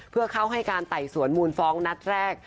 เพื่อเข้าให้การไต่สวนมูลฟ้องนัดแรก